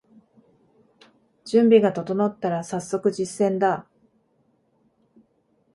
準備が整ったらさっそく実践だ